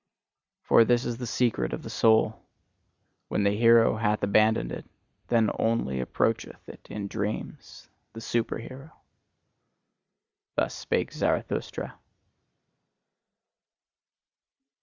For this is the secret of the soul: when the hero hath abandoned it, then only approacheth it in dreams the superhero. Thus spake Zarathustra.